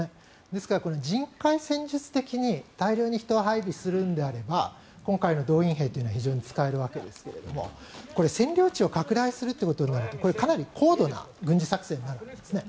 ですから、人海戦術的に大量に人を配備するのであれば今回の動員兵は非常に使えるわけですが占領地を拡大するということになるとかなり高度な軍事作戦になるんですね。